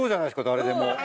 誰でも。